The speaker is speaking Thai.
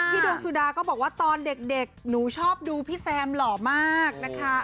ดวงสุดาก็บอกว่าตอนเด็กหนูชอบดูพี่แซมหล่อมากนะคะ